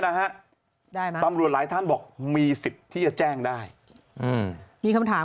นะฮะได้มาบำรวจหลายท่านบอกมีสิทธิจะแจ้งได้มีคำถาม